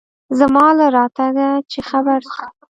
زما له راتگه چې خبر سو.